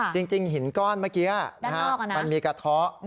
จริงหินก้อนเมื่อกี้มันมีกระเทาะ